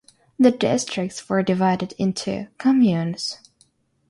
The districts were divided into "communes".